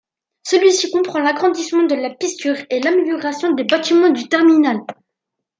Celui-ci comprend l'agrandissement de la piste sur et l'amélioration des bâtiments du terminal.